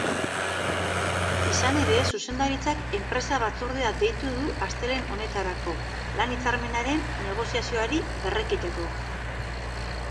Izan ere, zuzendaritzak enpresa-batzordea deitu du astelehen honetarako, lan-hitzarmenaren negoziazioari berrekiteko.